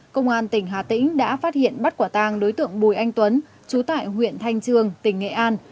công an tỉnh hà tĩnh đã phát hiện bắt quả tàng đối tượng bùi anh tuấn chú tại huyện thanh trương tỉnh nghệ an